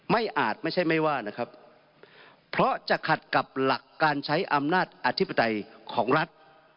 อาจไม่ใช่ไม่ว่านะครับเพราะจะขัดกับหลักการใช้อำนาจอธิปไตยของรัฐ